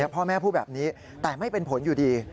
พ่อแม่พูดแบบนี้แต่ไม่เป็นผลอยู่ดี